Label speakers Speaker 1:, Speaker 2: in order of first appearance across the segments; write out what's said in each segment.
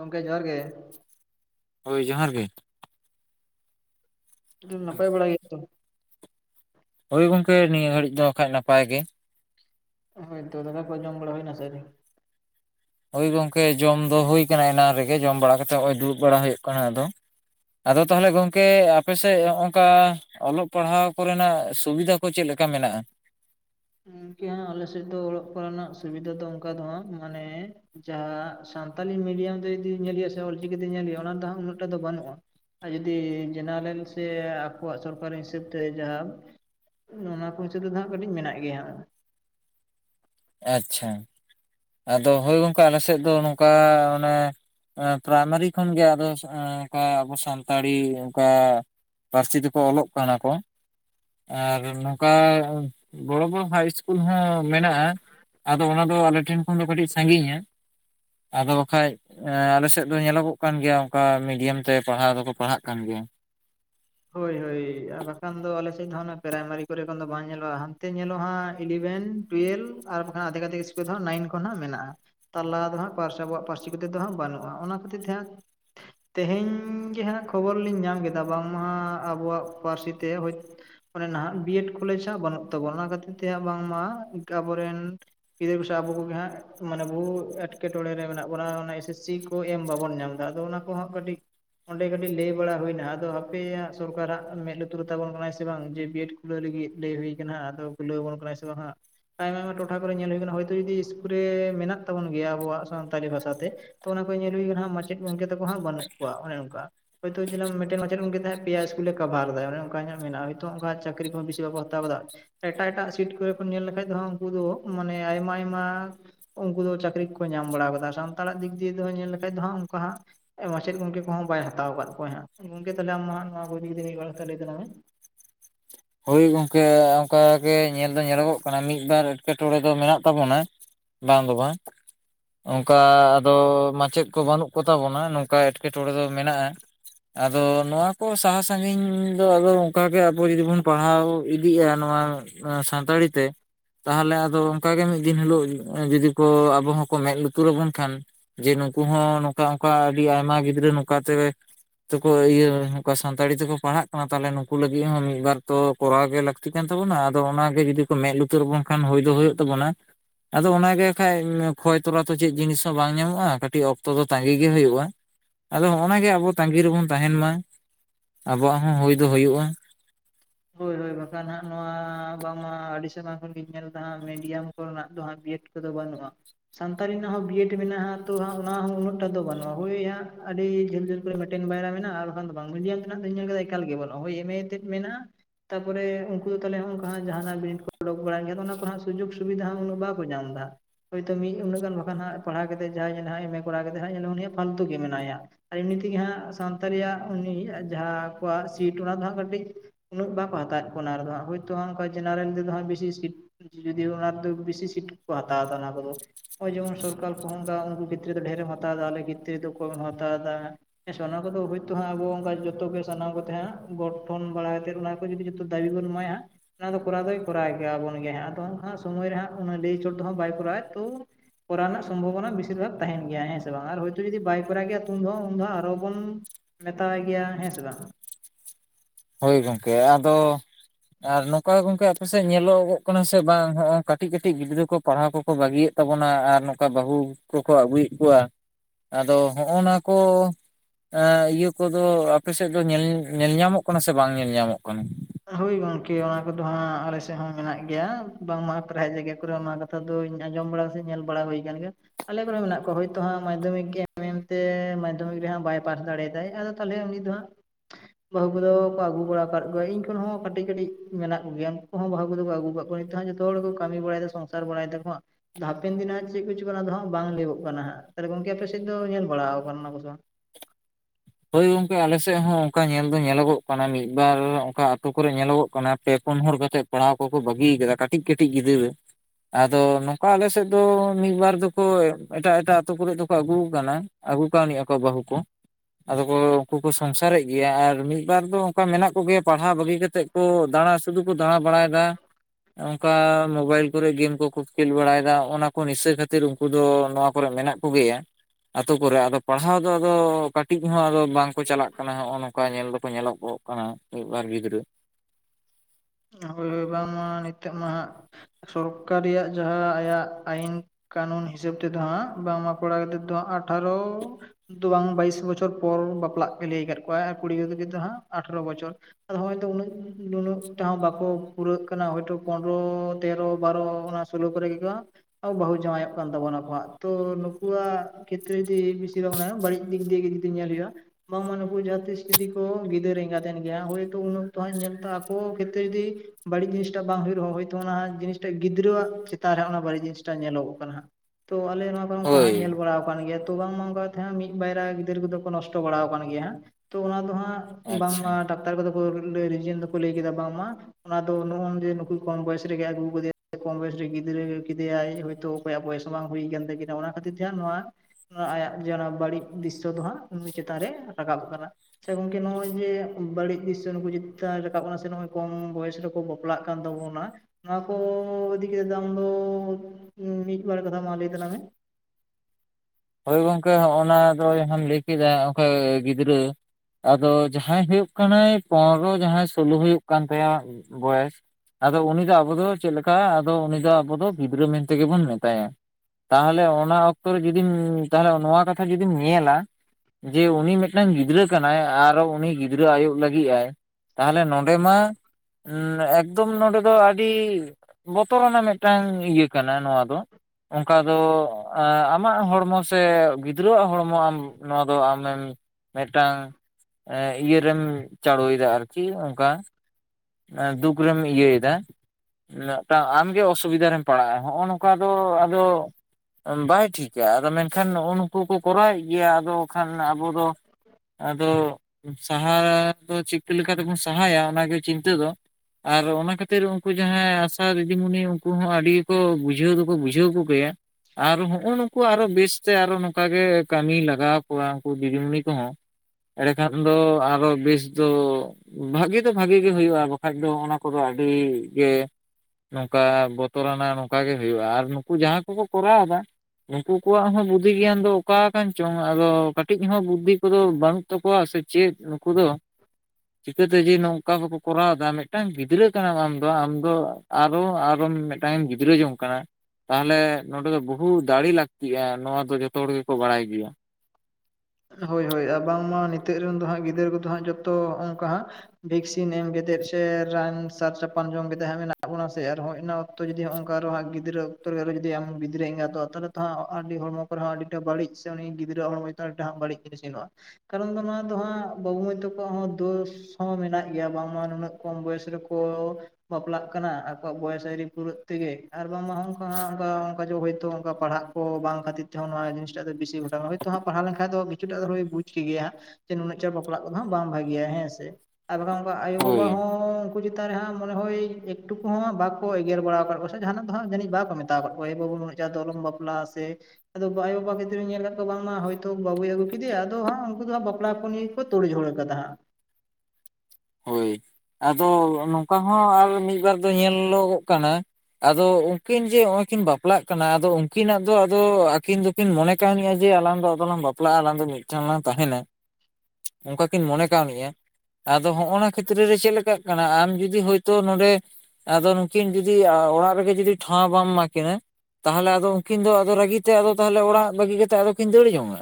Speaker 1: ᱜᱚᱝᱠᱮ ᱡᱚᱦᱟᱨ ᱜᱮ᱾
Speaker 2: ᱦᱳᱭ, ᱡᱚᱦᱟᱨ ᱜᱮ᱾
Speaker 1: ᱱᱟᱯᱟᱭ ᱵᱟᱲᱟ ᱜᱮᱭᱟ ᱛᱚ?
Speaker 2: ᱦᱳᱭ ᱜᱚᱝᱠᱮ, ᱱᱤᱭᱟᱹ ᱜᱷᱟᱹᱲᱤᱡ ᱫᱚ ᱵᱟᱠᱷᱟᱡ ᱱᱟᱯᱟᱭ ᱜᱮ᱾
Speaker 1: ᱦᱳᱭ ᱛᱚ, ᱫᱟᱠᱟ ᱠᱚ ᱡᱚᱢ ᱵᱟᱲᱟ ᱦᱩᱭᱱᱟ ᱥᱮ ᱟᱹᱣᱨᱤ?
Speaker 2: ᱦᱳᱭ ᱜᱚᱝᱠᱮ, ᱡᱚᱢ ᱫᱚ ᱦᱩᱭ ᱟᱠᱟᱱᱟ ᱮᱱᱟᱝ ᱨᱮᱜᱮ ᱡᱚᱢ ᱵᱟᱲᱟ ᱠᱟᱛᱮ ᱱᱚᱜᱼᱚᱭ ᱫᱩᱲᱩᱵ ᱵᱟᱲᱟ ᱦᱩᱭᱩᱜ ᱠᱟᱱᱟ᱾ ᱟᱫᱚ ᱟᱫᱚ ᱛᱟᱦᱚᱞᱮ ᱜᱚᱝᱠᱮ ᱟᱯᱮ ᱥᱮᱫ ᱦᱚᱸᱜᱼᱚᱝᱠᱟ ᱚᱞᱚᱜ ᱯᱟᱲᱦᱟᱣ ᱠᱚ ᱨᱮᱱᱟᱜ ᱥᱩᱵᱤᱫᱷᱟ ᱠᱚ ᱪᱮᱫ ᱞᱮᱠᱟ ᱢᱮᱱᱟᱜᱼᱟ?
Speaker 1: ᱤᱱᱠᱟᱹ ᱦᱮᱸ ᱟᱞᱮ ᱥᱮᱫ ᱫᱚ ᱚᱞᱚᱜ ᱯᱟᱲᱦᱟᱜ ᱨᱮᱱᱟᱜ ᱥᱩᱵᱤᱫᱷᱟ ᱫᱚ ᱚᱱᱠᱟ ᱫᱚ ᱦᱟᱸᱜ ᱢᱟᱱᱮ ᱡᱟᱦᱟᱸ ᱥᱟᱱᱛᱟᱞᱤ ᱢᱤᱰᱤᱭᱟᱢ ᱛᱮ ᱡᱩᱫᱤ ᱧᱮᱞ ᱥᱮ ᱚᱞ ᱪᱤᱠᱤ ᱛᱮ ᱧᱮᱞᱼᱟ ᱚᱱᱟ ᱫᱚ ᱦᱟᱸᱜ ᱩᱱᱟᱹᱜᱴᱟ ᱫᱚ ᱵᱟᱹᱱᱩᱜᱼᱟ ᱾ ᱟᱨ ᱡᱩᱫᱤ ᱡᱮᱱᱟᱞᱮᱞ ᱥᱮ ᱟᱠᱚᱣᱟᱜ ᱥᱚᱨᱠᱟᱨ ᱦᱤᱥᱟᱹᱵ ᱛᱮ ᱡᱟᱦᱟᱸ ᱚᱱᱟ ᱠᱚ ᱢᱩᱪᱟᱹᱫ ᱛᱮ ᱫᱚ ᱦᱟᱸᱜ ᱠᱟᱹᱴᱤᱡ ᱢᱮᱱᱟᱜ ᱜᱮᱭᱟ ᱦᱟᱸᱜ᱾
Speaker 2: ᱟᱪᱪᱷᱟ, ᱟᱫᱚ ᱦᱳᱭ ᱜᱚᱝᱠᱮ ᱟᱞᱮ ᱥᱮᱫ ᱫᱚ ᱱᱚᱝᱠᱟ ᱚᱱᱮ ᱮ ᱯᱨᱟᱭᱢᱟᱨᱤ ᱠᱷᱚᱱ ᱜᱮ ᱟᱫᱚ ᱮ ᱚᱱᱠᱟ ᱟᱵᱚ ᱥᱟᱱᱛᱟᱲᱤ ᱚᱱᱠᱟ ᱯᱟᱹᱨᱥᱤ ᱛᱮ ᱠᱚ ᱚᱞᱚᱜ ᱠᱟᱱᱟ ᱠᱚ, ᱟᱨ ᱱᱚᱝᱠᱟ ᱵᱚᱲᱚ ᱵᱚᱲᱚ ᱦᱟᱭ ᱤᱥᱠᱩᱞ ᱦᱚᱸ ᱢᱮᱱᱟᱜᱼᱟ᱾ ᱟᱫᱚ ᱚᱱᱟ ᱫᱚ ᱟᱯᱮ ᱴᱷᱮᱱ ᱠᱷᱚᱱ ᱫᱚ ᱠᱟᱹᱴᱤᱡ ᱥᱟᱺᱜᱤᱧᱟ᱾ ᱟᱫᱚ ᱵᱟᱠᱷᱟᱡ ᱮ ᱟᱞᱮ ᱥᱮᱫ ᱫᱚ ᱧᱮᱞᱚᱜᱚᱜ ᱠᱟᱱ ᱜᱮᱭᱟ, ᱚᱱᱠᱟ ᱢᱤᱰᱤᱭᱟᱢ ᱛᱮ ᱯᱟᱲᱦᱟᱣ ᱫᱚᱠᱚ ᱯᱟᱲᱦᱟᱜ ᱠᱟᱱ ᱜᱮᱭᱟ᱾
Speaker 1: ᱦᱳᱭ ᱦᱳᱭ, ᱟᱨ ᱵᱟᱠᱷᱟᱱ ᱫᱚ ᱟᱞᱮ ᱥᱮᱫ ᱫᱚ ᱯᱨᱟᱭᱢᱟᱨᱤ ᱠᱚᱨᱮ ᱠᱷᱚᱱ ᱫᱚ ᱵᱟᱝ ᱧᱮᱞᱚᱜᱼᱟ, ᱦᱟᱱᱛᱮ ᱧᱮᱞᱚᱜᱼᱟ ᱦᱟᱸᱜ ᱤᱞᱮᱵᱷᱮᱱ, ᱴᱩᱭᱮᱞᱵᱷ, ᱟᱨ ᱵᱟᱝᱠᱷᱟᱱ ᱟᱫᱷᱮᱠ ᱟᱫᱷᱮᱠ ᱤᱥᱠᱩᱞ ᱨᱮᱫᱚ ᱦᱟᱸᱜ ᱱᱟᱭᱤᱱ ᱠᱷᱚᱱᱟᱜ ᱢᱮᱱᱟᱜᱼᱟ ᱾ ᱛᱟᱨ ᱞᱟᱦᱟ ᱫᱚ ᱦᱟᱸᱜ ᱟᱵᱚᱣᱟᱜ ᱯᱟᱹᱨᱥᱤ ᱠᱚ ᱛᱮ ᱫᱚ ᱦᱟᱸᱜ ᱵᱟᱹᱱᱩᱜᱼᱟ, ᱚᱱᱟ ᱠᱷᱟᱹᱛᱤᱨ ᱛᱮ ᱦᱟᱸᱜ ᱛᱮᱦᱮᱧ ᱜᱮ ᱦᱟᱸᱜ ᱠᱷᱚᱵᱚᱨ ᱞᱤᱧ ᱧᱟᱢ ᱠᱮᱫᱟ ᱵᱟᱝ ᱢᱟ ᱟᱵᱚᱣᱟᱜ ᱯᱟᱹᱨᱥᱤ ᱛᱮ ᱚᱱᱮ ᱱᱟᱦᱜ ᱵᱤ ᱮᱰ ᱠᱚᱞᱮᱡᱽ ᱦᱟᱸᱜ ᱵᱟᱹᱱᱩᱜ ᱛᱟᱵᱚᱱᱟ᱾ ᱚᱱᱟ ᱠᱷᱟᱹᱛᱤᱨ ᱛᱮ ᱦᱟᱸᱜ ᱵᱟᱝ ᱢᱟ ᱟᱵᱚ ᱨᱮᱱ ᱜᱤᱫᱽᱟᱹᱨ ᱠᱚ ᱥᱮ ᱟᱵᱚ ᱠᱚᱜᱮ ᱦᱟᱸᱜ ᱢᱟᱱᱮ ᱵᱚᱦᱩ ᱮᱴᱠᱮᱴᱚᱬᱮ ᱨᱮ ᱢᱮᱱᱟᱜ ᱵᱚᱱᱟ, ᱚᱱᱟ ᱮᱥ ᱮᱥ ᱥᱤ ᱮᱢ ᱵᱟᱵᱚᱱ ᱧᱟᱢ ᱮᱫᱟ, ᱟᱫᱚ ᱚᱱᱟ ᱠᱚᱦᱚᱸ ᱠᱟᱹᱴᱤᱡ ᱚᱸᱰᱮ ᱠᱟᱹᱴᱤᱡ ᱞᱟᱹᱭ ᱵᱟᱲᱟ ᱦᱩᱭᱱᱟ, ᱟᱫᱚ ᱦᱟᱯᱮᱭᱟᱜ ᱥᱚᱨᱠᱟᱨᱟᱜ ᱢᱮᱫ ᱞᱩᱛᱩᱨ ᱟᱛᱟᱵᱚᱱ ᱠᱟᱱᱟ ᱥᱮ ᱵᱟᱝ, ᱡᱮ ᱵᱤ ᱮᱰ ᱠᱷᱩᱞᱟᱹᱣ ᱞᱟᱹᱜᱤᱫ ᱞᱟᱹᱭ ᱦᱩᱭ ᱟᱠᱟᱱᱟ᱾ ᱟᱫᱚ ᱠᱷᱩᱞᱟᱹᱣ ᱟᱵᱚᱱ ᱠᱟᱱᱟᱭ ᱥᱮ ᱵᱟᱝ ᱦᱟᱸᱜ᱾ ᱟᱭᱢᱟ ᱟᱭᱢᱟ ᱴᱚᱴᱷᱟ ᱠᱚᱨᱮ ᱧᱮᱞ ᱦᱩᱭ ᱟᱠᱟᱱᱟ, ᱦᱚᱭᱛᱳ ᱡᱩᱫᱤ ᱤᱥᱠᱩᱞ ᱨᱮ ᱢᱮᱱᱟᱜ ᱛᱟᱵᱚᱱ ᱜᱮᱭᱟ ᱟᱵᱚᱣᱟᱜ ᱥᱟᱱᱛᱟᱞᱤ ᱵᱷᱟᱥᱟ ᱛᱮ ᱛᱚ ᱚᱱᱟ ᱠᱚ ᱧᱮᱞ ᱦᱩᱭ ᱟᱠᱟᱱᱟ ᱦᱟᱸᱜ ᱢᱟᱪᱮᱫ ᱜᱚᱝᱠᱮ ᱛᱚᱠᱚ ᱦᱟᱸᱜ ᱵᱟᱹᱱᱩᱜ ᱠᱚᱣᱟ, ᱚᱱᱮ ᱚᱱᱠᱟ ᱦᱚᱭᱛᱳ ᱧᱮᱞᱟᱢ ᱡᱮᱜᱴᱮᱱ ᱴᱮᱱ ᱜᱚᱝᱠᱮ ᱛᱮ ᱯᱮᱭᱟ ᱤᱥᱠᱩᱞᱮ ᱠᱟᱵᱷᱟᱨ ᱮᱫᱟ᱾ ᱚᱱᱮ ᱚᱱᱠᱟ ᱧᱚᱜ ᱢᱮᱱᱟᱜᱼᱟ, ᱦᱚᱭᱛᱳ ᱚᱱᱠᱟ ᱪᱟᱹᱠᱨᱤ ᱠᱚᱦᱚᱸ ᱵᱤᱥᱤ ᱵᱟᱠᱚ ᱦᱟᱛᱟᱣ ᱟᱠᱟᱫᱟ᱾ ᱮᱴᱟᱜ ᱮᱴᱟᱜ ᱥᱤᱴ ᱠᱚᱨᱮ ᱠᱷᱚᱱ ᱧᱮᱞ ᱞᱮᱠᱷᱟᱱ ᱫᱚ ᱩᱱᱠᱩ ᱫᱚ ᱢᱟᱱᱮ ᱟᱭᱢᱟ ᱟᱭᱢᱟ ᱩᱱᱠᱩ ᱫᱚ ᱪᱟᱹᱠᱨᱤ ᱠᱚᱠᱚ ᱧᱟᱢ ᱵᱟᱲᱟ ᱠᱟᱫᱟ᱾ ᱥᱟᱱᱛᱟᱲᱟᱜ ᱫᱤᱠ ᱫᱤᱭᱮ ᱧᱮᱞ ᱞᱮᱠᱷᱟᱡ ᱫᱚ ᱦᱟᱸᱜ ᱚᱱᱠᱟ ᱦᱟᱸᱜ ᱢᱟᱪᱮᱫ ᱜᱚᱝᱠᱮ ᱠᱚᱦᱚᱸ ᱵᱟᱭ ᱦᱟᱛᱟᱣ ᱟᱠᱟᱫ ᱠᱚᱣᱟᱭ ᱦᱟᱸᱜ᱾ ᱢᱟᱪᱮᱫ ᱜᱚᱝᱠᱮ ᱠᱚᱦᱚᱸ ᱵᱟᱭ ᱦᱟᱛᱟᱣ ᱟᱠᱟᱫ ᱠᱳᱣᱟ ᱜᱚᱢᱠᱮ ᱛᱟᱦᱞᱮ ᱱᱚᱣᱟ ᱵᱟᱨᱮ ᱛᱮ ᱢᱤᱫ ᱵᱟᱨ ᱠᱟᱛᱷᱟ ᱞᱟᱹᱭ ᱛᱟᱞᱟᱝ ᱢᱮ ᱾
Speaker 2: ᱦᱳᱭ ᱜᱚᱝᱠᱮ, ᱚᱱᱠᱟ ᱜᱮ ᱧᱮᱞ ᱫᱚ ᱧᱮᱞᱚᱜᱚᱜ ᱠᱟᱱᱟ ᱢᱤᱫ ᱵᱟᱨ ᱮᱸᱴᱠᱮᱴᱚᱬᱮ ᱫᱚ ᱢᱮᱱᱟᱜ ᱛᱟᱵᱚᱱᱟ᱾ ᱵᱟᱝ ᱫᱚ ᱵᱟᱝ ᱚᱱᱠᱟ ᱟᱫᱚ ᱢᱟᱪᱮᱫ ᱠᱚ ᱵᱟᱹᱱᱩᱜ ᱠᱚ ᱛᱟᱵᱚᱱᱟ ᱱᱚᱝᱠᱟ ᱮᱸᱴᱠᱮᱴᱚᱬᱮ ᱫᱚ ᱢᱮᱱᱟᱜᱼᱟ ᱾ ᱟᱫᱚ ᱱᱚᱣᱟ ᱠᱚ ᱥᱟᱦᱟ ᱥᱟᱺᱜᱤᱧ ᱫᱚ ᱟᱫᱚ ᱚᱱᱠᱟ ᱜᱮ ᱟᱵᱚ ᱡᱩᱫᱤ ᱵᱚᱱᱼᱼ ᱯᱟᱲᱦᱟᱣ ᱤᱫᱤᱜᱼᱟ ᱱᱚᱣᱟ ᱥᱟᱱᱛᱟᱲᱤ ᱛᱮᱼᱼ ᱛᱟᱦᱚᱞᱮ ᱟᱫᱚ ᱚᱱᱠᱟ ᱜᱮ ᱢᱤᱫ ᱫᱤᱱ ᱦᱤᱞᱳᱜ ᱡᱩᱫᱤ ᱠᱚ ᱟᱵᱚ ᱦᱚᱸᱠᱚ ᱢᱮᱸᱫ ᱞᱩᱛᱩᱨ ᱟᱵᱚᱱ ᱠᱷᱟᱱ ᱡᱮ ᱱᱩᱠᱩ ᱦᱚᱸ ᱱᱚᱝᱠᱟ ᱚᱝᱠᱟ ᱟᱹᱰᱤ ᱟᱭᱢᱟ ᱜᱤᱫᱽᱨᱟᱹ ᱱᱚᱝᱠᱟᱛᱮᱼᱼ ᱛᱮᱠᱚ ᱤᱭᱟᱹ ᱥᱟᱱᱛᱟᱲᱤ ᱛᱮᱠᱚ ᱯᱟᱲᱦᱟᱜ ᱠᱟᱱᱟ ᱛᱟᱦᱞᱮ ᱱᱩᱠᱩ ᱞᱟᱹᱜᱤᱫ ᱦᱚᱸ ᱢᱤᱫ ᱵᱟᱨ ᱛᱚ ᱠᱚᱨᱟᱣ ᱜᱮ ᱞᱟᱹᱠᱛᱤ ᱠᱟᱱ ᱛᱟᱵᱚᱱᱟ ᱟᱫᱚ ᱚᱱᱟ ᱜᱮ ᱡᱩᱫᱤ ᱠᱚ ᱢᱮᱸᱫ ᱞᱩᱛᱩᱨ ᱟᱵᱚᱱ ᱠᱷᱟᱱ ᱦᱩᱭ ᱫᱚ ᱦᱩᱭᱩᱜ ᱛᱟᱵᱚᱱᱟ ᱟᱫᱚ ᱚᱱᱟ ᱜᱮ ᱠᱷᱟᱡ ᱠᱷᱚᱭ ᱛᱚᱨᱟ ᱫᱚ ᱪᱮᱫ ᱡᱤᱱᱤᱥ ᱦᱚᱸ ᱵᱟᱝ ᱧᱟᱢᱚᱜᱼᱟ ᱠᱟᱹᱴᱤᱡ ᱚᱠᱛᱚ ᱫᱚ ᱛᱟᱺᱜᱤ ᱜᱮ ᱦᱩᱭᱩᱜᱼᱟ ᱟᱫᱚ ᱱᱚᱜᱱᱟ ᱜᱮ ᱟᱵᱚ ᱛᱟᱺᱜᱤ ᱨᱮᱵᱚᱱ ᱛᱟᱦᱮᱱ ᱢᱟ ᱟᱵᱚᱣᱟᱜ ᱦᱚᱸ ᱦᱩᱭ ᱫᱚ ᱦᱩᱭᱩᱜᱼᱟ ᱾
Speaker 1: ᱦᱳᱭ ᱦᱳᱭ ᱵᱟᱠᱷᱟᱱ ᱦᱟᱸᱜ ᱱᱚᱣᱟ ᱵᱟᱝᱢᱟ ᱟᱹᱰᱤ ᱥᱮᱨᱢᱟ ᱠᱷᱚᱱ ᱜᱤᱧ ᱧᱮᱞ ᱮᱫᱟ ᱦᱟᱸᱜ ᱢᱤᱰᱤᱭᱟᱢ ᱠᱚ ᱨᱮᱱᱟᱜ ᱫᱚ ᱦᱟᱸᱜ ᱵᱤ. ᱮᱰ ᱠᱚᱫᱚ ᱵᱟᱹᱱᱩᱜᱼᱟ [inaudible] ᱥᱟᱱᱛᱟᱲᱤ ᱨᱮᱱᱟᱜ ᱦᱚᱸ ᱵᱤ ᱮᱰ ᱢᱮᱱᱟᱜᱼᱟ ᱛᱚ ᱦᱟᱸᱜ ᱚᱱᱟ ᱦᱚᱸ ᱩᱱᱟᱹᱜ ᱴᱟᱜ ᱫᱚ ᱵᱟᱹᱱᱩᱜᱼᱟ ᱦᱳᱭ ᱦᱟᱸᱜ ᱟᱹᱰᱤ ᱡᱷᱟᱹᱞ ᱡᱷᱟᱹᱞ᱾ ᱢᱤᱫᱴᱮᱱ ᱵᱟᱭᱨᱟ ᱢᱮᱱᱟᱜᱼᱟ ᱟᱨ ᱵᱟᱠᱷᱟᱱ ᱫᱚ ᱵᱟᱝ ᱢᱤᱰᱤᱭᱟᱢ ᱛᱮᱱᱟᱜ ᱫᱚ ᱮᱠᱟᱞ ᱜᱮ ᱵᱟᱱᱩᱜᱼᱟ ᱦᱳᱭ ᱮᱢ ᱮ ᱛᱮᱫ ᱢᱮᱱᱟᱜᱼᱟ ᱛᱟᱨᱯᱚᱨᱮ ᱩᱱᱠᱩ ᱫᱚ ᱛᱟᱞᱦᱮ ᱚᱱᱠᱟ ᱡᱟᱦᱟᱱᱟᱜ ᱵᱤᱱᱤᱰ ᱠᱚ ᱚᱰᱩᱜ ᱵᱟᱲᱟᱭ ᱜᱮᱭᱟ ᱚᱱᱟ ᱠᱚᱨᱮ ᱥᱩᱡᱳᱜᱽ ᱥᱩᱵᱤᱫᱷᱟ ᱦᱚᱸ ᱩᱱᱟᱹᱜ ᱵᱟᱠᱚ ᱧᱟᱢ ᱮᱫᱟ ᱦᱳᱭᱛᱳ ᱢᱤᱫ ᱩᱱᱟᱹᱜ ᱜᱟᱱ ᱵᱟᱠᱷᱟᱱ ᱦᱟᱜ ᱯᱟᱲᱦᱟᱣ ᱠᱟᱛᱮᱫ ᱡᱟᱦᱟᱸᱭ ᱮᱢ ᱮ ᱠᱚᱨᱟᱣ ᱠᱟᱛᱮ ᱮᱫ ᱩᱱᱤᱭᱟᱜ ᱯᱷᱟᱞᱛᱩ ᱜᱮ ᱢᱮᱱᱟᱭᱟ ᱟᱨ ᱮᱢᱱᱤ ᱛᱮᱜᱮ ᱦᱟᱸᱜ ᱥᱟᱱᱛᱟᱲ ᱨᱮᱭᱟᱜ [unintelligible] ᱡᱟᱦᱟᱸ ᱠᱚᱣᱟᱜ ᱥᱤᱴ ᱚᱱᱟ ᱫᱚ ᱦᱟᱸᱜ ᱠᱟᱹᱴᱤᱡ ᱩᱱᱟᱹᱜ ᱵᱟᱠᱚ ᱦᱟᱛᱟᱣᱮᱫ ᱠᱚᱣᱟ ᱚᱱᱟ ᱨᱮᱫᱚᱜ ᱦᱳᱭᱛᱳ ᱠᱟ ᱡᱮᱱᱟᱨᱮᱞ ᱛᱮᱫᱚ ᱦᱟᱸᱜ ᱵᱮᱥᱤ ᱥᱤᱴ ᱡᱩᱫᱤ ᱚᱱᱟ ᱫᱚ ᱵᱮᱥᱤ ᱥᱤᱴ ᱠᱚ ᱦᱟᱛᱟᱣᱫᱟ ᱚᱱᱟ ᱠᱚ ᱫᱚᱼᱼ ᱱᱚᱜᱚᱭ ᱡᱮᱵᱚᱱ ᱥᱚᱨᱠᱟᱨ ᱠᱚᱸᱦᱚ ᱚᱱᱠᱟ ᱩᱱᱠᱩ ᱜᱤᱛᱨᱤ ᱫᱚ ᱰᱷᱮᱨᱮᱢ ᱦᱟᱛᱟᱣ ᱮᱫᱟ ᱟᱞᱮ ᱜᱤᱛᱨᱤ ᱨᱮ ᱫᱚ ᱠᱚᱢᱮᱢ ᱦᱟᱛᱟᱣ ᱮᱫᱟ ᱦᱮᱸ ᱚᱱᱟ ᱠᱚᱫᱚ ᱦᱳᱭᱛᱳ ᱦᱟᱸᱜ ᱟᱵᱚ ᱚᱱᱠᱟ ᱡᱚᱛᱚ ᱜᱮ ᱥᱟᱱᱟᱢ ᱠᱚᱛᱮ ᱦᱟᱸᱜ ᱜᱚᱴᱷᱚᱱ ᱵᱟᱲᱟ ᱠᱟᱛᱮᱫ ᱚᱱᱟ ᱠᱚ ᱡᱩᱫᱤ ᱡᱚᱛᱚ ᱫᱟᱹᱵᱤ ᱵᱚᱱ ᱮᱢᱟᱭᱟ ᱚᱱᱟ ᱫᱚ ᱠᱚᱨᱟᱣ ᱫᱚᱭ ᱠᱚᱨᱟᱣ ᱜᱮᱭᱟᱵᱚᱱ ᱜᱮ ᱦᱟᱸᱜ ᱟᱫᱚ ᱥᱚᱢᱚᱭ ᱨᱮ ᱦᱟᱸᱜ ᱞᱟᱹᱭ ᱪᱚᱴ ᱫᱚ ᱦᱟᱸᱜ ᱵᱟᱭ ᱠᱚᱨᱟᱣ ᱛᱚ ᱠᱚᱨᱟᱣ ᱨᱮᱱᱟᱜ ᱥᱚᱢᱵᱷᱚᱵᱚᱱᱟ ᱵᱮᱥᱤᱨ ᱵᱷᱟᱜᱽ ᱛᱟᱦᱮᱱ ᱜᱮᱭᱟ ᱦᱮᱸ ᱥᱮ ᱵᱟᱝ ᱦᱚᱭᱛᱳ ᱡᱩᱫᱤ ᱵᱟᱭ ᱠᱚᱨᱟᱭ ᱜᱮᱭᱟ ᱩᱱ ᱦᱚᱸ ᱟᱨᱚ ᱵᱚᱱᱼᱼ ᱢᱮᱛᱟᱣ ᱮᱭ ᱜᱮᱭᱟ ᱦᱮᱸ ᱥᱮ ᱵᱟᱝ
Speaker 2: ᱦᱳᱭ ᱜᱚᱢᱠᱮ ᱟᱫᱚᱼᱼ ᱟᱨ ᱱᱚᱝᱠᱟ ᱜᱚᱝᱠᱮ ᱟᱯᱮ ᱥᱮᱫ ᱧᱮᱞᱚᱜᱚᱜ ᱠᱟᱱᱟ ᱥᱮ ᱵᱟᱝ ᱦᱚᱸᱜ ᱠᱟᱹᱴᱤᱡ ᱠᱟᱹᱴᱤᱡ ᱜᱤᱫᱽᱨᱟᱹ ᱠᱚ ᱯᱟᱲᱦᱟᱣ ᱠᱚᱠᱚ ᱵᱟᱹᱜᱤᱭᱮᱫ ᱛᱟᱵᱚᱱᱟ ᱟᱨ ᱱᱚᱝᱠᱟ ᱵᱟᱹᱦᱩ ᱠᱚᱠᱚ ᱟᱹᱜᱩᱭᱮᱫ ᱠᱚᱣᱟ ᱟᱫᱚ ᱦᱚᱸᱜᱼᱚ ᱱᱟ ᱠᱚ ᱤᱭᱟᱹ ᱠᱚᱫᱚ ᱟᱯᱮ ᱥᱮᱫ ᱫᱚ ᱧᱮᱞ ᱧᱮᱞ ᱧᱟᱢᱚᱜ ᱠᱟᱱᱟ ᱥᱮ ᱵᱟᱝ ᱧᱮᱞ ᱧᱟᱢᱚᱜ ᱠᱟᱱᱟ
Speaker 1: ᱦᱳᱭ ᱜᱚᱝᱠᱮ ᱚᱱᱟ ᱠᱚᱫᱚ ᱦᱟᱸᱜ ᱟᱞᱮ ᱥᱮᱫ ᱦᱚᱸ ᱢᱮᱱᱟᱜ ᱜᱮᱭᱟ ᱵᱟᱝᱢᱟ ᱯᱮᱨᱟᱭ ᱡᱟᱭᱜᱟ ᱠᱚᱨᱮ ᱚᱱᱟ ᱠᱟᱛᱷᱟ ᱫᱚᱧ ᱟᱸᱡᱚᱢ ᱵᱟᱲᱟ ᱥᱮ ᱧᱮᱞ ᱵᱟᱲᱟ ᱦᱩᱭ ᱟᱠ ᱜᱮᱭᱟ ᱟᱞᱮ ᱠᱚᱨᱮ ᱢᱮᱱᱟᱜ ᱠᱚᱣᱟ ᱦᱚᱭᱛᱚ ᱦᱟᱸᱜ ᱢᱟᱫᱽᱫᱷᱚᱢᱤᱠ ᱜᱮ ᱮᱢ ᱮᱢ ᱛᱮ ᱢᱟᱫᱽᱫᱷᱚᱢᱤᱠ ᱨᱮᱦᱚᱸ ᱵᱟᱭ ᱯᱟᱥ ᱫᱟᱲᱮᱭᱟᱫᱟ ᱟᱫᱚᱼᱼ ᱛᱟᱦᱚᱞᱮ ᱩᱱᱤ ᱫᱚ ᱦᱟᱸᱜ ᱵᱟᱹᱦᱩ ᱠᱚᱫᱚ ᱠᱚ ᱟᱹᱜᱩ ᱵᱟᱲᱟ ᱟᱠᱟᱫ ᱠᱚᱣᱟ ᱤᱧᱼᱼ [unintelligible] ᱠᱷᱚᱱ ᱦᱚᱸ ᱠᱟᱹᱴᱤᱡ ᱠᱟᱹᱴᱤᱡ ᱢᱮᱱᱟᱜ ᱠᱚ ᱜᱮᱭᱟ ᱩᱱᱠᱩ ᱦᱚᱸ ᱵᱟᱦᱩ ᱠᱚᱫᱚ ᱠᱚ ᱟᱹᱜᱩ ᱠᱚᱫᱚ ᱠᱚᱣᱟ ᱱᱤᱛᱚᱜ ᱦᱚᱸ ᱡᱚᱛᱚ ᱦᱚᱲ ᱜᱮ ᱠᱚ ᱠᱟᱹᱢᱤ ᱵᱟᱲᱟᱭ ᱮᱫᱟ ᱥᱚᱝᱥᱟᱨ ᱵᱟᱲᱟᱭ ᱛᱮᱠᱚ ᱦᱟᱯᱮᱱ ᱫᱤᱱ ᱦᱟᱸᱜ ᱪᱮᱫ ᱠᱚᱪᱚ ᱠᱟᱱᱟ ᱚᱱᱟ ᱫᱚ ᱦᱟᱸᱜ ᱵᱟᱝ ᱞᱟᱹᱭᱩᱜ ᱠᱟᱱᱟ ᱦᱟᱸᱜ ᱛᱟᱦᱚᱞᱮ ᱜᱚᱝᱠᱮ ᱟᱯᱮ ᱥᱮᱫ ᱫᱚ ᱧᱮᱞ ᱵᱟᱲᱟ ᱟᱠᱟᱱᱟ ᱚᱱᱟ ᱥᱮ ᱵᱟᱝ
Speaker 2: ᱦᱳᱭ ᱜᱚᱝᱠᱮ ᱟᱞᱮ ᱥᱮᱫ ᱦᱚᱸ ᱚᱱᱠᱟ ᱧᱮᱞ ᱫᱚ ᱧᱮᱞᱚᱜᱚᱜ ᱠᱟᱱᱟ ᱢᱤᱫ ᱵᱟᱨ ᱚᱱᱠᱟ ᱟᱛᱳ ᱠᱚᱨᱮ ᱧᱮᱞᱚᱜᱚᱜ ᱠᱟᱱᱟ ᱯᱮ ᱯᱩᱱ ᱦᱚᱲ ᱠᱟᱛᱮᱫ ᱯᱟᱲᱦᱟᱣ ᱠᱚᱠᱚ ᱵᱟᱹᱜᱤᱭ ᱟᱠᱟᱫᱟ ᱠᱟᱹᱴᱤᱡ ᱠᱟᱹᱴᱤᱡ ᱜᱤᱫᱽᱨᱟᱹ ᱟᱫᱚ ᱱᱚᱝᱠᱟ ᱟᱞᱮ ᱥᱮᱫ ᱫᱚ ᱢᱤᱫ ᱵᱟᱨ ᱫᱚᱠᱚ ᱮᱴᱟᱜ ᱮᱴᱟᱜ ᱟᱛᱳ ᱠᱚᱨᱮ ᱫᱚᱠᱚ ᱟᱹᱜᱩ ᱟᱠᱟᱱᱟ ᱟᱹᱜᱩ ᱠᱟᱣᱱᱤᱡ ᱟᱠᱚ ᱵᱟᱹᱦᱩ ᱠᱚᱼᱼ ᱟᱫᱚ ᱠᱚ ᱩᱱᱠᱩ ᱠᱚ ᱥᱚᱝᱥᱟᱨ ᱮᱫ ᱜᱮᱭᱟ ᱟᱨ ᱢᱤᱫ ᱵᱟᱨ ᱫᱚ ᱚᱱᱠᱟ ᱢᱮᱱᱟᱜ ᱠᱚ ᱜᱮᱭᱟ ᱯᱟᱲᱦᱟᱣ ᱵᱟᱹᱜᱤ ᱠᱟᱛᱮᱫ ᱠᱚ ᱫᱟᱬᱟᱼᱼ ᱥᱩᱫᱩ ᱠᱚ ᱫᱟᱬᱟ ᱵᱟᱲᱟᱭ ᱮᱫᱟ [unintelligible] ᱚᱱᱠᱟ ᱢᱳᱵᱟᱭᱤᱞ ᱠᱚᱨᱮ ᱜᱮᱢ ᱠᱚᱠᱚ ᱠᱷᱮᱞ ᱵᱟᱲᱟᱭ ᱮᱫᱟ ᱚᱱᱟ ᱠᱚ ᱱᱤᱥᱟᱹ ᱠᱷᱟᱹᱛᱤᱨ ᱩᱱᱠᱩ ᱫᱚ ᱱᱚᱣᱟ ᱠᱚᱨᱮᱜ ᱢᱮᱱᱟᱜ ᱠᱚ ᱜᱮᱭᱟ ᱟᱹᱛᱩ ᱠᱚᱨᱮ ᱟᱫᱚ ᱯᱟᱲᱦᱟᱣ ᱫᱚ ᱟᱫᱚ [unintelligible] ᱠᱟᱹᱴᱤᱡ ᱦᱚᱸ ᱟᱫᱚ ᱵᱟᱝ ᱠᱚ ᱪᱟᱞᱟᱜ ᱠᱟᱱᱟ ᱦᱚᱸᱜᱼᱚ ᱱᱚᱝᱠᱟ ᱧᱮᱞ ᱫᱚᱠᱚ ᱧᱮᱞᱚᱜᱚᱜ ᱠᱟᱱᱟ ᱢᱤᱫ ᱵᱟᱨ ᱜᱤᱫᱽᱨᱟᱹ
Speaker 1: ᱦᱳᱭ ᱦᱳᱭ ᱵᱟᱝᱢᱟ ᱱᱤᱛᱚᱜ ᱢᱟ ᱦᱟᱸᱜ, ᱥᱚᱨᱠᱟᱨᱤᱭᱟᱜ ᱡᱟᱦᱟᱸ ᱟᱭᱟᱜ ᱟᱭᱤᱱ ᱠᱟᱱᱩᱱ ᱦᱤᱥᱟᱹᱵ ᱛᱮᱫᱚ ᱦᱟᱸᱜ, ᱵᱟᱝᱢᱟ ᱠᱚᱲᱟ ᱜᱤᱫᱟᱹᱨ ᱫᱚ ᱦᱟᱸᱜ ᱟᱴᱷᱟᱨᱚ ᱫᱚ ᱵᱟᱝ ᱵᱟᱭᱤᱥ ᱵᱚᱪᱷᱚᱨ ᱯᱚᱨ ᱵᱟᱯᱞᱟᱜ ᱠᱚᱭ ᱞᱟᱹᱭ ᱠᱟᱫ ᱠᱚᱣᱟ ᱟᱨ ᱠᱩᱲᱤ ᱜᱤᱫᱽᱨᱟᱹ ᱫᱚ ᱦᱟᱸᱜ ᱟᱴᱷᱨᱚ ᱵᱚᱪᱷᱚᱨ, ᱟᱫᱚ ᱦᱚᱸᱜ-ᱚᱭ ᱛᱚ [inaudible] ᱛᱮᱦᱚᱸ ᱵᱟᱠᱚ ᱯᱩᱨᱟᱹᱜ ᱠᱟᱱᱟ ᱦᱚᱭᱛᱚ ᱯᱚᱸᱰᱨᱚ, ᱛᱮᱨᱚ, ᱵᱟᱨᱚ, ᱚᱱᱟ ᱥᱳᱞᱳ ᱠᱚᱨᱮ ᱜᱮ ᱠᱚ [inaudible] ᱵᱟᱦᱩ ᱡᱟᱶᱟᱭᱚᱜ ᱠᱟᱱ ᱛᱟᱵᱚᱱᱟ ᱠᱚ ᱦᱟᱸᱜ, ᱛᱚ ᱱᱩᱠᱩᱣᱟᱜ ᱠᱷᱮᱛᱨᱮ ᱡᱩᱫᱤ ᱵᱤᱥᱤᱨ ᱵᱷᱟᱜ ᱢᱟᱱᱮ ᱵᱟᱹᱲᱤᱡ ᱫᱤᱠ ᱫᱤᱭᱮ ᱜᱮ ᱡᱩ ᱫᱤ ᱧᱮᱞ ᱦᱩᱭᱩᱜᱼᱟ, ᱵᱟᱝᱟ ᱱᱩᱠᱩ ᱡᱟᱦᱟᱸ ᱛᱤᱥ ᱡᱩᱫᱤ ᱠᱚ ᱜᱤᱫᱟᱹᱨ ᱮᱸᱜᱟᱛ ᱮᱱ ᱜᱮᱭᱟ, ᱦᱳᱭᱛᱳ ᱩᱱ ᱚᱠᱛᱚ ᱦᱟᱸᱜ ᱧᱮᱞ [inaudible] ᱟᱠᱟ ᱠᱷᱮᱛ ᱛᱮ ᱡᱩᱫᱤ ᱵᱟᱲᱤᱡ ᱡᱤᱱᱤᱥᱴᱟᱜ ᱵᱟᱝ ᱦᱩᱭᱩᱜ ᱨᱮᱦᱚᱸ, ᱦᱳᱭᱛᱳ ᱚᱱᱟ ᱡᱤᱱᱤᱥᱴᱟᱜ ᱜᱤᱫᱽᱨᱟᱹᱣᱟᱜ ᱪᱮᱛᱟᱱ ᱨᱮ ᱚᱱᱟ ᱵᱟᱲᱤᱡ ᱡᱤᱱᱤᱥᱴᱟ ᱧᱮᱞᱚᱜᱚᱜ ᱠᱟᱱᱟ ᱦᱟᱸᱜ᱾ ᱛᱚ ᱟᱞᱮ ᱱᱚᱣᱟ ᱠᱚ ᱱᱚᱝᱠᱟ
Speaker 2: ᱦᱳᱭ
Speaker 1: ᱦᱟᱸᱜ ᱧᱮᱞ ᱵᱟᱲᱟᱣᱟᱠᱟᱱ ᱜᱮᱭᱟ ᱛᱚ ᱵᱟᱝᱢᱟ ᱚᱝᱠᱟ ᱤᱧ ᱦᱚᱸ ᱢᱤᱫ ᱵᱟᱭᱨᱟ ᱜᱤᱫᱟᱹᱨ ᱠᱚᱫᱚ ᱠᱚ ᱱᱚᱥᱴᱚ ᱵᱟᱲᱟᱣ ᱠᱟᱱ ᱜᱮᱭᱟ ᱦᱟᱸᱜ, ᱛᱚ ᱚᱱᱟ ᱫᱚ ᱦᱟᱸᱜ
Speaker 2: ᱟᱪᱪᱷᱟ
Speaker 1: ᱵᱟᱝᱢᱟ ᱰᱟᱠ ᱛᱟᱨ ᱠᱚᱫᱚ [inaudible] ᱨᱤᱡᱤᱱ ᱫᱚᱠᱚ ᱞᱟᱹᱭ ᱠᱮᱫᱟ ᱵᱟᱝᱢᱟ, ᱚᱱᱟ ᱫᱚ ᱱᱚᱜ-ᱚᱭ ᱡᱮ ᱱᱩᱠᱩ ᱠᱚᱢ ᱵᱚᱭᱮᱥ ᱨᱮᱜᱮ ᱟᱜᱩ ᱠᱟᱫᱮᱭᱟ ᱠᱚᱢ ᱵᱚᱭᱮᱥ ᱨᱮ ᱜᱤᱫᱽᱨᱟᱹ ᱠᱮᱫᱮᱭᱟᱭ ᱦᱚᱭᱛᱳ ᱚᱠᱚᱭᱟᱜ ᱵᱚᱭᱚᱥ ᱦᱚᱸ ᱵᱟᱝ ᱦᱩᱭ ᱠᱟᱱ ᱛᱟᱠᱤᱱᱟ ᱚᱱᱟ ᱠᱷᱟᱛᱤᱨ ᱛᱮ ᱦᱟᱸᱜ ᱱᱚᱣᱟ ᱚᱱᱟ ᱟᱭᱟᱜ ᱡᱟᱦᱟᱸᱱᱟᱜ ᱵᱟᱲᱤᱡ ᱫᱨᱤᱥᱥᱚ ᱫᱚ ᱦᱟᱸᱜ, ᱱᱩᱭ ᱪᱮᱛᱟᱱ ᱨᱮ ᱨᱟᱠᱟᱵ ᱠᱟᱱᱟ᱾ ᱥᱮ ᱜᱚᱝᱠᱮ ᱱᱚᱜᱼᱚᱭ ᱡᱮ ᱵᱟᱹᱲᱤᱡ ᱫᱤᱥᱥᱚ ᱱᱩᱠᱩ ᱪᱮᱛᱟᱱ ᱨᱟᱠᱟᱵ ᱠᱟᱱᱟ ᱥᱮ ᱱᱚᱜᱼᱚᱭ ᱠᱚᱢ ᱵᱚᱭᱮᱥ ᱨᱮᱠᱚ ᱵᱟᱯᱞᱟᱜ ᱠᱟᱱ ᱛᱟᱵᱚᱱᱟ, ᱱᱚᱣᱟ ᱠᱚ ᱤᱫᱤ ᱠᱟᱛᱮ ᱫᱚ ᱟᱢ ᱫᱚ, ᱢᱤᱫ ᱵᱟᱨ ᱠᱟᱛᱷᱟ ᱢᱟ ᱞᱟᱹᱭ ᱛᱟᱞᱟᱝ ᱢᱮ?
Speaker 2: ᱦᱳᱭ ᱜᱚᱝᱠᱮ ᱦᱚᱸᱜᱼᱚᱱᱟ ᱫᱚ ᱡᱟᱦᱟᱸᱢ ᱞᱟᱹᱭ ᱠᱮᱫᱟ ᱚᱝᱠᱟ ᱜᱤᱫᱽᱨᱟᱹ, ᱟᱫᱚ ᱡᱟᱦᱟᱸᱭ ᱦᱳᱭᱳᱜ ᱠᱟᱱᱟᱭ ᱯᱚᱱᱨᱚ, ᱡᱟᱦᱟᱸᱭ ᱥᱳᱞᱞᱳ ᱦᱩᱭᱩᱜ ᱠᱟᱱ ᱛᱟᱭᱟ ᱵᱚᱭᱮᱥ, ᱟᱫᱚ ᱩᱱᱤ ᱫᱚ ᱟᱵᱚ ᱫᱚ ᱪᱮᱫ ᱞᱮᱠᱟ, ᱟᱫᱚ ᱩᱱᱤ ᱫᱚ ᱟᱵᱚ ᱫᱚ ᱜᱤᱫᱽᱨᱟᱹ ᱢᱮᱱ ᱛᱮᱜᱮ ᱵᱚᱱ ᱢᱮᱛᱟᱭᱟ᱾ ᱛᱟᱦᱚᱞᱮ ᱚᱱᱟ ᱚᱠᱛᱚ ᱨᱮ ᱡᱩᱫᱤᱢ, ᱛᱟᱦᱚᱞᱮ ᱱᱚᱣᱟ ᱠᱟᱛᱷᱟ ᱡᱩᱫᱤᱢ ᱧᱮᱞᱟ ᱡᱮ ᱩᱱᱤ ᱢᱤᱫᱴᱟᱝ ᱜᱤᱫᱽᱨᱟᱹ ᱠᱟᱱᱟᱭ ᱟᱨᱚ ᱩᱱᱤ ᱜᱤᱫᱽᱨᱟᱹ ᱟᱭᱳᱜ ᱞᱟᱹᱜᱤᱜ-ᱟᱭ, ᱛᱟᱦᱚᱞᱮ ᱱᱚᱰᱮ ᱢᱟ, ᱩᱸᱻ ᱮᱠᱫᱚᱢ ᱱᱚᱰᱮ ᱫᱚ ᱟᱰᱤ ᱵᱚᱛᱚᱨᱟᱱᱟᱜ ᱢᱤᱫᱴᱟᱝ ᱤᱭᱟᱹ ᱠᱟᱱᱟ ᱱᱚᱣᱟ ᱫᱚ, ᱚᱝᱠᱟ ᱫᱚ ᱟᱸ ᱟᱢᱟᱜ ᱦᱚᱲᱢᱚ ᱥᱮ ᱜᱤᱫᱽᱨᱟᱹᱣᱟᱜ ᱦᱚᱲᱢᱚ ᱟᱢ ᱱᱚᱣᱟ ᱫᱚ ᱟᱢᱮᱢ ᱢᱤᱫᱴᱟᱝ ᱮᱸ ᱤᱭᱟᱹ ᱨᱮᱢ ᱪᱟᱰᱳᱭᱫᱟ ᱟᱨᱠᱤ ᱚᱝᱠᱟ᱾ ᱮᱸ ᱫᱩᱠ ᱨᱮᱢ ᱤᱭᱟᱹᱭᱮᱫᱟ, ᱢᱤᱫ ᱴᱟᱝ ᱟᱢᱜᱮ ᱚᱥᱩᱵᱤᱫᱷᱟ ᱨᱮᱢ ᱯᱟᱲᱟᱜᱼᱟ ᱦᱚᱜᱼᱚᱭ ᱱᱚᱝ ᱠᱟ ᱫᱚ ᱟᱫᱚ ᱵᱟᱭ ᱴᱷᱤᱠᱟ ᱟᱫᱚ ᱢᱮᱱᱠᱷᱟᱱ ᱱᱩᱜᱼᱩ ᱱᱩᱠᱩ ᱠᱚ ᱠᱚᱨᱟᱣᱮᱫ ᱜᱮᱭᱟ ᱟᱫᱚ ᱠᱷᱟᱱ ᱟᱵᱚ ᱫᱚ ᱟᱫᱚ ᱥᱟᱦᱟ ᱫᱚ ᱪᱤᱠᱟᱹ ᱞᱮᱠᱟ ᱛᱮᱵᱚᱱ ᱥᱟᱦᱟᱭᱟ ᱚᱱᱟᱜᱮ ᱪᱤᱱᱛᱟᱹ ᱫᱚ, ᱟᱨ ᱚᱱᱟ ᱠᱷᱟᱹᱛᱤᱨ ᱩᱱᱠᱩ ᱡᱟᱦᱟᱸᱭ ᱟᱥᱟ ᱫᱤᱫᱤᱢᱩᱱᱤ ᱩᱝᱠᱩ ᱦᱚᱸ ᱟᱰᱤ ᱜᱮᱠᱚ ᱵᱩᱡᱷᱟᱹᱣ ᱫᱚᱠᱚ ᱵᱩᱡᱷᱟᱹᱣ ᱠᱚ ᱜᱮᱭᱟ, ᱟᱨ ᱦᱚᱸᱜᱼᱚ ᱱᱩᱠᱩ ᱟᱨᱚ ᱵᱮᱥᱛᱮ ᱟᱨᱚ ᱱᱚᱝᱠᱟ ᱜᱮ ᱠᱟᱢᱤ ᱞᱟᱜᱟᱣ ᱟᱠᱚᱣᱟ ᱩᱝᱠᱩ ᱫᱤᱫᱤᱢᱩᱱᱤ ᱠᱚᱦᱚᱸ, ᱮᱸᱰᱮᱠᱷᱟᱱ ᱫᱚ ᱟᱨᱚ ᱵᱮᱥ ᱫᱚ, ᱵᱷᱟᱜᱤ ᱫᱚ ᱵᱷᱟᱜᱤ ᱜᱮ ᱦᱩᱭᱩᱜᱼᱟ, ᱵᱟᱠᱷᱟᱡ ᱫᱚ ᱦᱟᱸᱜ-ᱚ ᱚᱱᱟ ᱠᱚᱫᱚ ᱟᱹᱰᱤ ᱜᱮ ᱱᱚᱝᱠᱟ ᱵᱚᱛᱚᱨ ᱟᱱᱟᱜ ᱱᱚᱝᱠᱟ ᱜᱮ ᱦᱩᱭᱩᱜᱼᱟ ᱟᱨ ᱱᱩᱠᱩ ᱡᱟᱦᱟᱸ ᱠᱚᱠᱚ ᱠᱚᱨᱟᱣᱫᱟ, ᱩᱝᱠᱩ ᱠᱚᱣᱟᱜ ᱦᱚᱸ ᱵᱩᱫᱷᱤ ᱜᱮᱭᱟᱱ ᱫᱚ ᱚᱠᱟ ᱠᱟᱱ ᱪᱚᱝ ᱟᱫᱚ ᱠᱟᱹᱴᱤᱡ ᱦᱚᱸ ᱵᱩᱫᱽᱫᱷᱤ ᱠᱚᱫᱚ ᱵᱟᱱᱩᱜ ᱛᱟᱠᱚᱣᱟ ᱥᱮ ᱪᱮᱫ ᱱᱩᱠᱩ ᱫᱚ, ᱪᱤᱠᱟᱹᱛᱮ ᱡᱮ ᱱᱚᱝ ᱠᱟ ᱠᱚᱠᱚ ᱠᱚᱨᱟᱣ ᱮᱫᱟ ᱢᱤᱫᱴᱟᱝ ᱜᱤᱫᱽᱨᱟᱹ ᱠᱟᱱᱟᱢ ᱟᱢ ᱫᱚ ᱟᱢ ᱫᱚ ᱟᱨᱚ, ᱟᱨᱚ ᱢᱤᱫᱴᱟᱝ ᱮᱢ ᱜᱤᱫᱽᱨᱟᱹ ᱡᱚᱝ ᱠᱟᱱᱟ, ᱛᱟᱦᱚᱞᱮ ᱱᱚᱰᱮ ᱫᱚ ᱵᱚᱦᱩ ᱫᱟᱲᱮ ᱞᱟᱠᱛᱤᱜᱼᱟ ᱱᱚᱣᱟ ᱫᱚ ᱡᱚᱛᱚ ᱦᱚᱲ ᱜᱮᱠᱚ ᱵᱟᱲᱟᱭ ᱜᱮᱭᱟ᱾
Speaker 1: ᱦᱳᱭ ᱦᱳᱭ ᱟᱨ ᱵᱟᱝᱢᱟ ᱱᱤᱛᱟᱹᱜ ᱨᱮᱱ ᱫᱚ ᱦᱟᱸᱜ ᱜᱤᱫᱟᱹᱨ ᱠᱚᱫᱚ ᱦᱟᱸᱜ ᱡᱚᱛᱚ ᱚᱝᱠᱟ ᱦᱟᱸᱜ᱾ ᱵᱷᱮᱠᱥᱤᱱ ᱮᱢ ᱠᱟᱛᱮᱫ ᱥᱮ ᱨᱟᱱ ᱥᱟᱨ ᱪᱟᱯᱟᱱ ᱡᱚᱢ ᱠᱟᱛᱮ ᱦᱟᱸᱜ ᱢᱮᱱᱟᱜ ᱵᱚᱱᱟ ᱥᱮ ᱟᱨ‌ ᱦᱚᱸᱭ ᱟᱱᱟ ᱛᱚ ᱡᱩᱫᱤ ᱦᱚᱸᱜ-ᱚ ᱚᱝᱠᱟ ᱟᱨᱚ ᱦᱟᱸᱜ ᱜᱤᱫᱽᱨᱟᱹ ᱚᱠᱛᱚ ᱨᱮᱜᱮ ᱟᱨᱚ ᱡᱩᱫᱤ ᱟᱢ ᱜᱤᱫᱽᱨᱟᱹ ᱮᱸᱜᱟᱛᱚᱜ-ᱟ ᱛᱟᱦᱚᱞᱮ ᱛᱚ ᱦᱟᱸᱜ ᱟᱰᱤ ᱦᱚᱲᱚᱢᱚ ᱠᱚ ᱨᱮᱦᱚᱸ ᱟᱹᱰᱤᱴᱟᱜ ᱵᱟᱲᱤᱡ ᱥᱮ ᱩᱱᱤ ᱜᱤᱫᱽᱨᱟᱹᱣᱟᱜ ᱦᱚᱲᱢᱚ [inaudible] ᱵᱟᱲᱤᱡ ᱡᱤᱱᱤᱥ ᱧᱮᱞᱟᱜ-ᱟ᱾ ᱠᱟᱨᱚᱱ ᱫᱚ ᱱᱚᱣᱟ ᱫᱚ ᱦᱟᱸᱜ ᱵᱟᱹᱵᱩ ᱢᱟᱹᱭ ᱛᱟᱠᱚᱣᱟᱜ ᱦᱚᱸ ᱫᱳᱥ ᱦᱚᱸ ᱢᱮᱱᱟᱜ ᱜᱮᱭᱟ ᱵᱟᱝᱢᱟ ᱱᱩᱱᱟᱹᱜ ᱠᱚᱢ ᱵᱚᱭᱮᱥ ᱨᱮᱠᱚ ᱵᱟᱯᱞᱟᱜ ᱠᱟᱱᱟ ᱟᱠᱚᱣᱟᱜ ᱵᱚᱭᱮᱥ ᱟᱹᱨᱤ ᱯᱩᱨᱟᱹᱜ ᱛᱮᱜᱮ ᱟᱨ ᱵᱟᱝᱢᱟ ᱚᱱᱠᱟ ᱚᱱᱠᱟ ᱚᱱᱠᱟ ᱦᱳᱭᱛᱳ ᱚᱱᱠᱟ ᱯᱟᱲᱦᱟᱜ ᱵᱟᱝ ᱠᱷᱟᱹᱛᱤᱨ ᱛᱮᱦᱚᱸ ᱱᱚᱣᱟ ᱡᱤᱱᱤᱥᱴᱟᱜ ᱫᱚ ᱵᱤᱥᱤ ᱜᱷᱚᱴᱟᱣᱼᱟ, ᱦᱳᱭ ᱛᱚ ᱦᱟᱸᱜ ᱯᱟᱲᱟᱣ ᱞᱮᱱᱷᱟᱟᱱ ᱫᱚ ᱠᱤᱪᱩᱴᱟᱜ ᱵᱩᱡᱽ ᱠᱮᱜᱮᱭᱟ ᱱᱩᱱᱟᱹᱜ ᱪᱟᱨ ᱵᱟᱯᱞᱟᱜ ᱠᱚᱫᱚ ᱵᱟᱝ ᱵᱷᱟᱹᱜᱮᱭᱟ ᱦᱮᱸ ᱥᱮ ᱾ ᱟᱨ ᱵᱟᱠᱷᱟᱱ ᱟᱭᱳ ᱵᱟᱵᱟ
Speaker 2: ᱦᱳᱭ
Speaker 1: ᱦᱚᱸ ᱠᱩ ᱡᱩᱫᱤ ᱢᱮᱛᱟᱭ ᱨᱮᱦᱚᱭ ᱢᱚᱱᱮ ᱦᱳᱭ ᱮᱠᱴᱩ ᱠᱚᱦᱚᱸ ᱵᱟᱠᱚ ᱮᱜᱮᱨ ᱵᱟᱲᱟᱟᱣ ᱟᱠᱟᱫ ᱠᱚᱣᱟ ᱥᱮ ᱡᱟᱦᱟᱱᱟᱜ ᱫᱚ ᱦᱟᱸᱜ ᱡᱟᱹᱱᱤᱡ ᱵᱟᱠᱚ ᱢᱮᱛᱟᱣ ᱟᱠᱟᱫ ᱠᱚᱣᱟ ᱮ ᱵᱟᱹᱵᱩ ᱟ ᱫᱚ ᱟᱞᱚᱢ ᱵᱟᱯᱞᱟ ᱟᱥᱮ ᱟᱫᱚ ᱟᱳᱭ ᱵᱟᱵᱟ ᱠᱷᱮᱛᱤᱨ ᱧᱮᱞ ᱟᱠᱟᱫ ᱠᱚᱣᱟ ᱵᱟᱝ ᱛᱚ ᱵᱟᱵᱩᱭ ᱟᱹᱜᱩ ᱠᱮᱫᱮᱭᱟ ᱟᱫᱚ ᱦᱟᱸᱜ ᱩᱱᱠᱩ ᱫᱚ ᱦᱟᱸᱜ ᱵᱟᱯᱞᱟ ᱠᱚ ᱱᱤᱭᱮ ᱠᱚ ᱛᱩᱲ ᱡᱷᱚᱲ ᱠᱟᱫᱟ ᱦᱟᱸᱜ,
Speaker 2: ᱦᱳᱭ ᱟᱫᱚ ᱱᱚᱝᱠᱟ ᱦᱚᱸ ᱟᱨ ᱢᱤᱫ ᱵᱟᱨ ᱫᱚ ᱧᱮᱞᱚᱜᱚᱜ ᱠᱟᱱᱟ ᱟᱫᱚ ᱩᱱᱠᱤᱱ ᱡᱮ ᱦᱚᱸᱜ-ᱚᱭ ᱠᱤᱱ ᱵᱟᱯᱞᱟᱜ ᱠᱟᱱᱟ ᱟᱫᱚ ᱩᱱᱠᱤᱱᱟᱜ ᱫᱚ ᱟᱫᱚ ᱟᱹᱠᱤᱱ ᱫᱚ ᱠᱤᱱ ᱢᱚᱱᱮ ᱠᱟᱹᱣᱱᱤᱜᱼᱟ ᱡᱮ ᱟᱞᱟᱝ ᱫᱚ ᱟᱫᱚ ᱞᱟᱝ ᱵᱟᱯᱞᱟᱜᱼᱟ ᱟᱞᱟᱝ ᱫᱚ ᱢᱤᱫᱴᱷᱮᱱ ᱞᱟᱝ ᱛᱟᱦᱮᱸᱱᱟ ᱾
Speaker 1: [unintelligible]
Speaker 2: ᱚᱝᱠᱟ ᱠᱤᱱ ᱢᱚᱱᱮ ᱠᱟᱣᱱᱤᱡ-ᱟ, ᱟᱫᱚ ᱦᱚᱸᱜᱼᱱᱟ ᱠᱷᱮᱛᱨᱮ ᱨᱮ ᱪᱮᱫ ᱞᱮᱠᱟᱜ ᱠᱟᱱᱟ ᱟᱢ ᱡᱩᱫᱤ ᱦᱚᱭᱛᱳ ᱱᱚᱰᱮ ᱟᱫᱚ ᱱᱩᱠᱤᱱ ᱡᱩᱫᱤ ᱚᱲᱟᱜ ᱨᱮᱜᱮ ᱡᱩᱫᱤ ᱴᱷᱟᱶ ᱵᱟᱢ ᱮᱢᱟᱠᱤᱱᱟ ᱛᱟᱦᱚᱞᱮ ᱟᱫᱚ ᱩᱱᱠᱤᱱ ᱫᱚ ᱟᱫᱚ ᱨᱟᱜᱤ ᱛᱮ ᱟᱫᱚ ᱛᱟᱦᱚᱞᱮ ᱚᱲᱟᱜ ᱵᱟᱹᱜᱤ ᱠᱟᱛᱮ ᱟᱫᱚ ᱠᱤᱱ ᱫᱟᱹᱲ ᱡᱚᱝᱼᱟ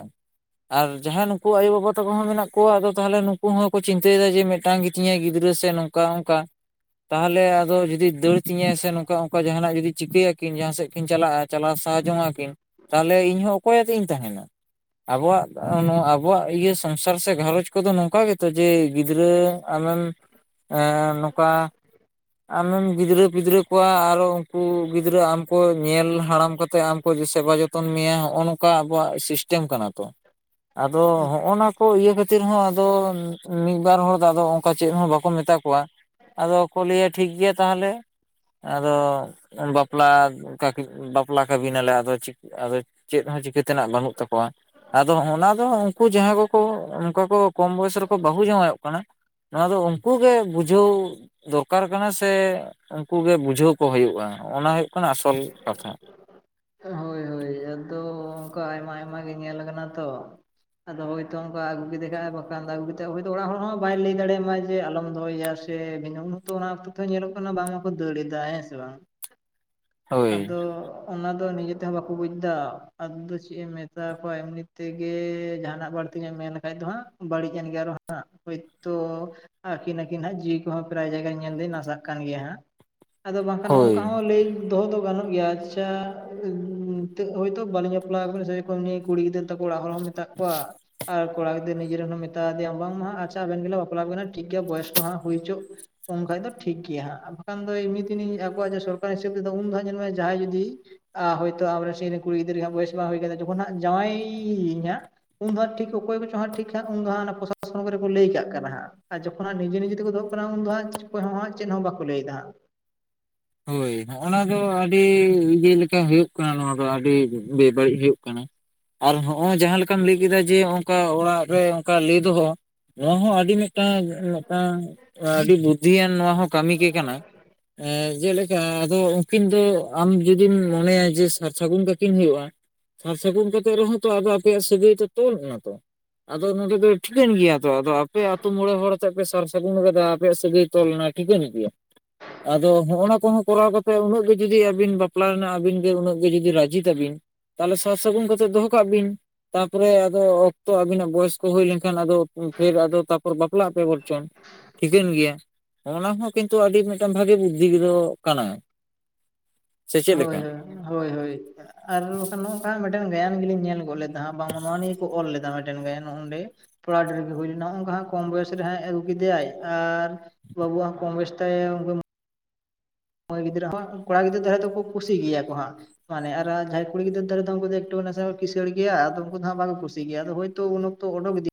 Speaker 2: ᱟᱨ ᱡᱟᱦᱟᱸ ᱟᱭᱳ-ᱵᱟᱵᱟ ᱛᱟᱠᱚ ᱦᱚᱸ ᱢᱮᱱᱟᱜ ᱠᱚᱣᱟ ᱟᱫᱚ ᱛᱟᱦᱚᱞᱮ ᱱᱩᱠᱩ ᱦᱚᱸᱠᱚ ᱪᱤᱱᱛᱟᱹᱭᱫᱟ ᱡᱮ ᱢᱤᱫᱴᱟᱝ ᱜᱤᱛᱤᱧᱟᱭ ᱜᱤᱫᱽᱨᱟᱹ ᱥᱮ ᱱᱚᱝᱠᱟ ᱚᱱᱠᱟ ᱛᱟᱦᱚᱞᱮ ᱟᱫᱚ ᱡᱩᱫᱤ ᱫᱟᱹᱲ ᱛᱤᱧᱟᱭ ᱥᱮ ᱱᱚᱝᱠᱟ ᱚᱱᱠᱟ ᱡᱟᱦᱟᱱᱟᱜ ᱡᱩᱫᱤ ᱪᱤᱠᱟᱹᱭ ᱟᱠᱤᱱ ᱡᱟᱦᱟᱸ ᱥᱮᱫ ᱠᱤᱱ ᱪᱟᱞᱟᱜᱼᱟ ᱪᱟᱞᱟᱣ ᱥᱟᱦᱟ ᱡᱚᱝ ᱟᱠᱤᱱ, ᱛᱟᱦᱚᱞᱮ ᱤᱧᱦᱚᱸ ᱚᱠᱚᱭ ᱟᱛᱮ ᱤᱧ ᱛᱟᱦᱮᱱᱟ ᱾ ᱟᱵᱚᱣᱟᱜ ᱱᱚᱣᱟ ᱟᱵᱚᱣᱟᱜ ᱤᱭᱟᱹ ᱥᱚᱝᱥᱟᱨ ᱥᱮ ᱜᱷᱟᱨᱚᱸᱡᱽ ᱠᱚᱫᱚ ᱱᱚᱝᱠᱟ ᱜᱮᱛᱚ ᱡᱮ ᱜᱤᱫᱽᱨᱟᱹ ᱟᱢᱮᱢ ᱮᱸ ᱱᱚᱠᱟ ᱟᱢᱮᱢ ᱜᱤᱫᱽᱨᱟᱹ ᱯᱤᱫᱽᱨᱟᱹ ᱠᱚᱣᱟ ᱟᱨᱚ ᱩᱱᱠᱩ ᱜᱤᱫᱽᱨᱟᱹ ᱟᱢ ᱠᱚ ᱧᱮᱞ ᱦᱟᱲᱟᱢ ᱠᱟᱛᱮ ᱟᱢ ᱠᱚ ᱥᱮᱵᱟ ᱡᱚᱛᱚ ᱛᱚᱱ ᱢᱮᱭᱟ ᱦᱚᱸᱜᱼᱚ ᱱᱚᱠᱟ ᱟᱵᱚᱣᱟᱜ ᱥᱤᱥᱴᱮᱢ ᱠᱟᱱᱟ ᱛᱚ, ᱟᱫᱚ ᱦᱚᱸᱜᱼᱚ ᱱᱟ ᱠᱚ ᱤᱭᱟᱹ ᱠᱷᱟᱹᱛᱤᱨ ᱦᱚᱸ ᱟᱫᱚ ᱢᱤᱫ ᱵᱟᱨ ᱦᱚᱲ ᱫᱚ ᱟᱫᱚ ᱚᱱᱠᱟ ᱪᱮᱫ ᱦᱚᱸ ᱵᱟᱠᱚ ᱢᱮᱛᱟ ᱠᱚᱣᱟ, ᱟᱫᱚ ᱠᱚ ᱞᱟᱹᱭᱟ ᱴᱷᱤᱠ ᱜᱮᱭᱟ ᱛᱟᱦᱚᱞᱮ ᱟᱫᱚ ᱵᱟᱯᱞᱟ [inaudible] [inaudible] ᱵᱟᱯᱞᱟ ᱠᱟᱹᱵᱤ ᱱᱟᱞᱮ ᱟᱫᱚ ᱟᱫᱚ ᱪᱤᱫ ᱦᱚᱸ ᱪᱤᱠᱟᱹ ᱛᱮᱱᱟᱜ ᱵᱟᱹᱱᱩᱜ ᱛᱟᱠᱚᱣᱟ ᱾ ᱟᱫᱚ ᱚᱱᱟ ᱫᱚ ᱩᱱᱠᱩ ᱡᱟᱦᱟᱸᱭ ᱠᱚᱠᱚ ᱚᱱᱠᱟ ᱠᱚ ᱠᱚᱢ ᱵᱚᱭᱮᱥ ᱨᱮᱠᱚ ᱵᱟᱹᱦᱩ ᱡᱟᱶᱟᱭᱚᱜ ᱠᱟᱱᱟ ᱱᱚᱣᱟ ᱫᱚ ᱩᱱᱠᱩ ᱜᱮ ᱵᱩᱡᱷᱟᱹᱣ ᱫᱚᱨᱠᱟᱨ ᱠᱟᱱᱟ ᱥᱮ ᱩᱱᱠᱩ ᱜᱮ ᱵᱩᱡᱷᱟᱹᱣ ᱠᱚ ᱦᱩᱭᱩᱜᱼᱟ ᱚᱱᱟ ᱦᱩᱭᱩᱜ ᱠᱟᱱᱟ ᱟᱥᱚᱞ ᱠᱟᱛᱷᱟ ᱾
Speaker 1: ᱦᱳᱭ ᱦᱳᱭ ᱟᱫᱚ ᱚᱱᱠᱟ ᱟᱭᱢᱟ ᱟᱭᱢᱟ ᱜᱮ ᱧᱮᱞ ᱠᱟᱱᱟ ᱛᱚ ᱟᱫᱚ ᱦᱳᱭᱛᱚ ᱚᱱᱠᱟ ᱟᱹᱜᱩ ᱠᱮᱫᱮ ᱠᱷᱟᱱ ᱮ ᱵᱟᱠᱷᱟᱱ ᱟᱹᱜᱩ ᱠᱟᱛᱮᱫ ᱚᱲᱟᱜ ᱦᱚᱲ ᱦᱚᱸ ᱵᱟᱭ ᱞᱟᱹᱭ ᱫᱟᱲᱮᱭᱟᱢᱟ ᱡᱮ ᱟᱞᱚᱢ ᱫᱚᱦᱚᱮᱭᱟ ᱥᱮ ᱩᱱ ᱦᱚᱛᱚ ᱚᱱᱟ ᱚᱠᱛᱚ ᱛᱮᱦᱚᱸ ᱧᱮᱞᱚᱜ ᱠᱟᱱᱟ ᱵᱟᱝ ᱢᱟᱠᱚ ᱫᱟᱹᱲ ᱮᱫᱟ ᱦᱮᱸ ᱥᱮ ᱵᱟᱝ,
Speaker 2: ᱦᱳᱭ
Speaker 1: ᱟᱫᱚ ᱚᱱᱟ ᱫᱚ ᱱᱤᱡᱮ ᱛᱮᱦᱚᱸ ᱵᱟᱠᱚ ᱵᱩᱡ ᱫᱟ ᱟᱫᱚ ᱫᱚ ᱪᱮᱫ ᱮᱢ ᱢᱮᱛᱟ ᱠᱚᱣᱟ ᱮᱢᱱᱤ ᱛᱮᱜᱮ ᱡᱟᱦᱟ ᱱᱟᱜ ᱵᱟᱹᱲ ᱵᱟᱲᱛᱤ ᱮᱢ ᱢᱮᱱ ᱞᱮᱠᱷᱟᱡ ᱫᱚ ᱦᱟᱸᱜ ᱵᱟᱹᱲᱤᱡ ᱮᱱ ᱜᱮᱭᱟ ᱟᱨᱦᱚᱸ ᱦᱟᱸᱜ ᱦᱳᱭᱛᱚ ᱟᱹᱠᱤ ᱟᱹᱠᱤᱱ ᱦᱟᱸᱜ ᱡᱤᱣᱤ ᱠᱚᱦᱚᱸ ᱯᱨᱟᱭ ᱡᱟᱭᱜᱟ ᱧᱮᱞ ᱫᱤᱧ ᱱᱟᱥᱟᱜ ᱠᱟᱱ ᱜᱮᱭᱟ ᱦᱟᱸᱜ ᱾ ᱟᱫᱚ ᱵᱟᱝᱠᱷᱟᱱ ᱱᱚᱜᱝᱠᱟ
Speaker 2: ᱦᱳᱭ
Speaker 1: ᱦᱚᱸ ᱞᱟᱹᱭ ᱫᱚᱦᱚ ᱫᱚ ᱜᱟᱱᱚᱜ ᱜᱮᱭᱟ ᱟᱪᱪᱷᱟ [inaudible] ᱦᱳᱭᱛᱳ ᱵᱟᱹᱞᱤᱧ ᱵᱟᱯᱞᱟᱜ ᱠᱟᱱᱟ ᱥᱮ [inaudible] ᱩᱱᱤ ᱠᱩᱲᱤ ᱜᱤᱫᱽᱟᱹᱨ ᱛᱟᱠᱚ ᱚᱲᱟᱜ ᱦᱚᱲ ᱦᱚᱸᱢ ᱢᱮᱛᱟᱜ ᱠᱚᱣᱟ, ᱟᱨ ᱠᱚᱲᱟ ᱜᱤᱫᱽᱟᱹᱨ ᱱᱤᱡᱮ ᱨᱮ ᱦᱚᱸᱢ ᱢᱮᱛᱟᱫᱮᱭᱟ ᱵᱟᱝᱢᱟ ᱦᱟᱸᱜ ᱟᱪᱪᱷᱟ ᱟᱵᱮᱱ ᱜᱮᱞᱮ ᱵᱟᱯᱞᱟ ᱵᱮᱱᱟ ᱴᱷᱤᱠ ᱜᱮᱭᱟ ᱵᱚᱭᱮᱥ ᱠᱚ ᱦᱟᱸᱜ ᱦᱩᱭ ᱦᱚᱪᱚ ᱾ ᱩᱱ ᱠᱷᱟᱡ ᱫᱚ ᱴᱷᱤᱠ ᱜᱮᱭᱟ ᱦᱟᱸᱜ ᱟᱨ ᱵᱟᱠᱷᱟᱱ ᱫᱚ ᱮᱢᱱᱤ ᱛᱤᱱᱤ ᱟᱵᱚᱣᱟᱜ ᱥᱚᱨᱠᱟᱨᱤ ᱦᱤᱥᱟᱹᱵ ᱛᱮᱫᱟ ᱩᱱ ᱫᱷᱟᱣ ᱧᱮᱞ ᱢᱮ ᱡᱟᱦᱟᱸᱭ ᱡᱩᱫᱤ ᱟ ᱦᱳᱭᱛᱳ ᱟᱢ ᱨᱮᱱ ᱥᱮ ᱤᱧ ᱨᱮᱱ ᱠᱩᱲᱤ ᱜᱤᱫᱽᱨᱟᱹ ᱵᱚᱭᱮᱥ ᱵᱟᱝ ᱦᱩᱭ ᱟᱠᱟᱱᱟ ᱡᱚᱠᱷᱚᱱ ᱦᱟᱸᱜ ᱡᱟᱶᱟᱭ ᱤᱧ ᱦᱟᱸᱜ ᱩᱱ ᱫᱚ ᱦᱟᱸᱜ ᱴᱷᱤᱠ ᱚᱠᱚᱭ ᱠᱚᱪᱚ ᱦᱟᱸᱜ ᱴᱷᱤᱠ ᱩᱱ ᱫᱚ ᱦᱟᱸᱜ ᱯᱨᱚᱥᱟᱥᱚᱱ ᱠᱚᱨᱮ ᱠᱚ ᱞᱟᱹᱭ ᱠᱟᱜ ᱠᱟᱱᱟ ᱦᱟᱸᱜ ᱟᱨ ᱡᱚ ᱡᱚᱠᱷᱚᱱ ᱦᱟᱸᱜ ᱱᱤᱡᱮ ᱱᱤᱡᱮ ᱛᱮᱠᱚ ᱫᱚᱦᱚᱜ ᱠᱟᱱᱟ ᱩᱱ ᱫᱚ ᱦᱟᱸᱜ ᱚᱠᱚᱭ ᱦᱚᱸ ᱪᱮᱫ ᱦᱚᱸ ᱵᱟᱠᱚ ᱞᱟᱹᱭᱫᱟ ᱦᱟᱸᱜ ᱾
Speaker 2: ᱦᱳᱭ ᱱᱚᱜᱼᱱᱟ ᱫᱚ ᱟᱹᱰᱤ ᱤᱭᱟᱹ ᱞᱮᱠᱟ ᱦᱩᱭᱩᱜ ᱠᱟᱱᱟ ᱱᱚᱣᱟ ᱫᱚ ᱟᱹᱰᱤ ᱵᱮᱵᱟᱹᱲᱤᱡ ᱦᱩᱭᱩᱜ ᱠᱟᱱᱟ, ᱟᱨ ᱱᱚᱜᱼᱚᱭ ᱡᱟᱦᱟᱸ ᱞᱮᱠᱟᱢ ᱞᱟᱹᱭ ᱠᱮᱫᱟ ᱡᱮ ᱚᱱᱠᱟ ᱚᱲᱟᱜ ᱨᱮ ᱚᱱᱠᱟ ᱞᱟᱹᱭ ᱫᱚᱦᱚ ᱱᱚᱣᱟ ᱦᱚᱸ ᱟ ᱟᱹᱰᱤ ᱢᱮᱫᱴᱟᱝ ᱢᱮᱫᱴᱟᱝ ᱟᱹᱰᱤ ᱵᱩᱫᱽᱫᱷᱤᱭᱟᱱ ᱱᱚᱣᱟ ᱦᱚᱸ ᱠᱟᱹᱢᱤ ᱜᱮ ᱠᱟᱱᱟ ᱮᱸ ᱡᱮᱞᱮᱠᱟ ᱟᱫᱚ ᱩᱱᱠᱤᱱ ᱫᱚ ᱟᱢ ᱡᱩᱫᱤᱢ ᱢᱚᱱᱮᱭᱟ ᱡᱮ ᱥᱟᱨ ᱥᱟᱹᱜᱩᱱ ᱠᱟᱠᱤᱱ ᱦᱩᱭᱩᱜᱼᱟ ᱥᱟᱨ ᱥᱟᱹᱜᱩᱱ ᱠᱟᱛᱮ ᱨᱮᱦᱚᱸ ᱛᱚ ᱟᱫᱚ ᱟᱯᱮᱭᱟᱜ ᱥᱟᱹᱜᱟᱹᱭ ᱛᱚ ᱛᱚᱞ ᱚᱱᱟᱛᱚ ᱟᱫᱚ ᱱᱚᱰᱮ ᱫᱚ ᱴᱷᱤᱠᱟᱹᱱ ᱜᱮᱭᱟ ᱛᱚ ᱟᱫᱚ ᱟᱯᱮ ᱟᱹᱛᱩ ᱢᱚᱬᱮ ᱦᱚᱲ ᱟᱛᱮᱜ ᱯᱮ ᱥᱟᱨ ᱥᱟᱹᱜᱩᱱ ᱟᱠᱟᱫᱟ ᱟᱯᱮᱭᱟᱜ ᱥᱟᱹᱜᱟᱹᱭ ᱛᱚᱞ ᱞᱮᱱᱟ ᱴᱷᱤᱠᱟᱹᱱ ᱜᱮᱭᱟ ᱟᱫᱚ ᱱᱚᱜᱱᱟ ᱠᱚᱦᱚᱸ ᱠᱚᱨᱟᱣ ᱠᱟᱛᱮ ᱩᱱᱟᱹᱜ ᱜᱮ ᱡᱩᱫᱤ ᱟᱹᱵᱤᱱ ᱵᱟᱯᱞᱟ ᱨᱮᱱᱟᱜ ᱟᱹᱵᱤᱱ ᱜᱮ ᱩᱱᱟᱹᱜ ᱜᱮ ᱡᱩᱫᱤ ᱨᱟᱡᱤ ᱛᱟᱵᱤᱱ ᱛᱟᱞᱦᱮ ᱥᱟᱨ ᱥᱟᱹᱜᱩᱱ ᱠᱟᱛᱮ ᱫᱚᱦᱚ ᱠᱟᱜ ᱵᱤᱱ ᱛᱟᱯᱚᱨᱮ ᱟᱫᱚ ᱚᱠᱛᱚ ᱟᱵᱤᱱᱟᱜ ᱵᱚᱭᱮᱥ ᱠᱚ ᱦᱳᱭ ᱞᱮᱱᱠᱷᱟᱱ ᱟᱫᱚ ᱯᱷᱮᱨ ᱟᱫᱚ ᱛᱟᱯᱚᱨ ᱵᱟᱯᱞᱟᱜ ᱯᱮ ᱵᱚᱨᱪᱚᱱ ᱴᱷᱤᱠᱟᱹᱱ ᱜᱮᱭᱟ ᱚᱱᱟ ᱠᱚᱦᱚᱸ ᱠᱤᱱᱛᱩ ᱟᱹᱰᱤ ᱢᱤᱫᱴᱟᱝ ᱵᱷᱟᱹᱜᱤ ᱵᱩᱫᱽᱫᱷᱤ ᱫᱚ ᱠᱟᱱᱟ ᱾
Speaker 1: ᱦᱳᱭ ᱦᱳᱭ ᱦᱳᱭ ᱦᱳᱭ ᱾ ᱟᱨ ᱵᱟᱠᱷᱟᱱ ᱱᱚᱝᱠᱟ ᱢᱤᱫᱴᱮᱱ ᱜᱟᱭᱟᱱ ᱜᱮᱞᱤᱧ ᱧᱮᱞ ᱜᱚᱫ ᱞᱮᱫᱟ ᱦᱟᱸᱜ ᱵᱟᱝ ᱱᱚᱣᱟ ᱱᱤᱭᱟᱹ ᱠᱚ ᱚᱞ ᱞᱮᱫᱟ ᱢᱤᱫᱴᱮᱱ ᱜᱟᱭᱟᱱ ᱚᱸᱰᱮ ᱯᱚᱲᱟᱰᱟᱵᱤᱦ ᱨᱮᱜᱮ ᱦᱩᱭ ᱞᱮᱱᱟ ᱱᱚᱜ ᱱᱚᱝᱠᱟ ᱦᱟᱜ ᱠᱚᱢ ᱵᱚᱭᱮᱥ ᱨᱮᱦᱟᱸᱜ ᱟᱹᱜᱩ ᱠᱮᱫᱮᱟᱭ ᱟᱨ ᱵᱟᱵᱩᱣᱟᱜ ᱦᱚᱸ ᱠᱚᱢ ᱵᱚᱭᱮᱥ ᱛᱟᱭ [unintelligible] ᱢᱟᱹᱭ ᱜᱤᱫᱽᱨᱟᱹ ᱦᱚᱸ ᱠᱚᱲᱟ ᱜᱤᱫᱽᱨᱟᱹ ᱫᱚ ᱦᱚᱭᱛᱚ ᱠᱚ ᱠᱩᱥᱤ ᱜᱮᱭᱟ ᱠᱚ ᱦᱟᱸᱜ ᱢᱟᱱᱮ ᱟᱨ ᱡᱟᱦᱟᱸᱭ ᱠᱩᱲᱤ ᱜᱤᱫᱟᱹᱨ ᱫᱷᱟᱨᱮ ᱫᱚ ᱩᱱᱠᱩ ᱫᱚ ᱮᱠᱴᱩ ᱱᱟᱥᱮᱱᱟᱜ ᱠᱤᱥᱟᱹᱲ ᱜᱮᱭᱟ ᱟᱫᱚ ᱩᱱᱠᱩ ᱫᱚ ᱵᱟᱠᱚ ᱠᱩᱥᱤ ᱜᱮᱭᱟ ᱦᱚᱭᱛᱚ ᱩᱱ ᱛᱚ ᱩᱰᱚᱜ ᱤᱫᱤ